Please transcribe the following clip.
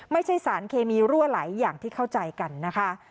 ไม่ใช่สารเคมีรั่วไหลอย่างที่เข้าใจกันนะคะ